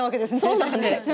そうなんです。